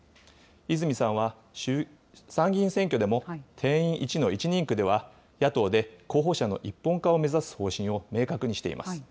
泉さんは、参議院選挙でも定員１の１人区では、野党で候補者の一本化を目指す方針を明確にしています。